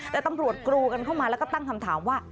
แต่ตำรวจกรูกันเข้ามาแล้วก็ตั้งคำถามว่า